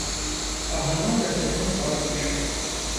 Аграном расцягнуў твар усмешкай.